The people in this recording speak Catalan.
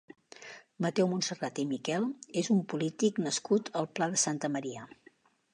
Mateu Montserrat i Miquel és un polític nascut al Pla de Santa Maria.